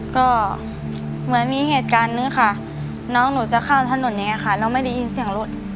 ก็เหมือนมีเหตุการณ์นึงค่ะน้องหนูจะข้ามถนนอย่างนี้ค่ะแล้วไม่ได้ยินเสียงรถ